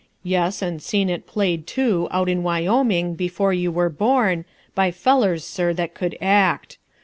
Yes, and seen it played, too, out in Wyoming, before you were born, by fellers, sir, that could act.